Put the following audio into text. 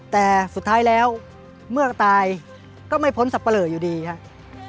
แต่สุดท้ายแล้วเมื่อตายก็ไม่พ้นสับปะเหลออยู่ดีครับ